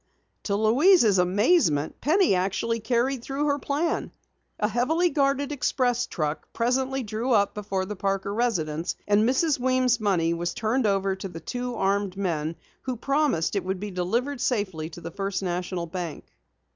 To Louise's amazement, Penny actually carried through her plan. A heavily guarded express truck presently drew up before the Parker residence, and Mrs. Weems' money was turned over to the two armed men who promised that it would be delivered safely to the First National Bank.